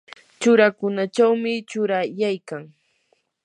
churakunachawmi churayaykan.